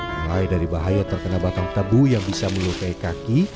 mulai dari bahaya terkena batang tebu yang bisa melukai kaki